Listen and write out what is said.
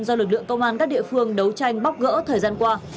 do lực lượng công an các địa phương đấu tranh bóc gỡ thời gian qua